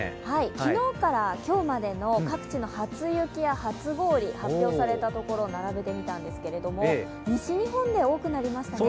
昨日から今日までの各地の初雪や初氷、発表された所を並べてみたんですけど西日本で多くなりましたね。